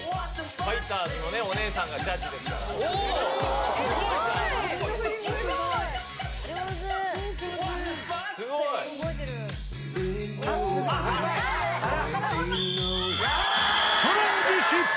ファイターズのおねえさんがジャッジですから。